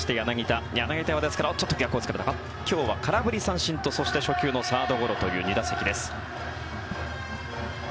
柳田は今日は空振り三振とそして、初球のサードゴロという２打席です。